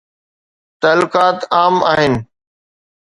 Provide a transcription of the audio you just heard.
تعلقات عام آهن.